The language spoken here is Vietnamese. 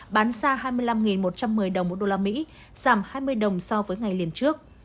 bán ra hai mươi năm một trăm một mươi đồng một đô la mỹ giảm hai mươi đồng so với ngày liên trước